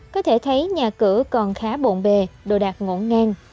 có thể thấy nhà cửa còn khá bộn bề đồ đạc ngỗ ngang